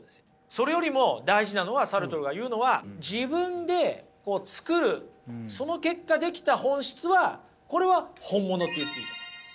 それよりも大事なのはサルトルが言うのは自分で作るその結果出来た本質はこれは本物って言っていいと思います。